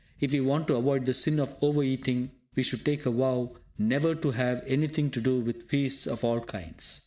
If we want to avoid the sin of over eating, we should take a vow never to have anything to do with feasts of all kinds.